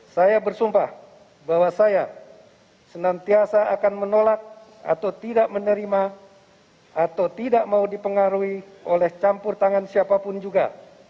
saya bersumpah bahwa saya senantiasa akan menolak atau tidak menerima atau tidak mau dipengaruhi oleh campur tangan siapapun juga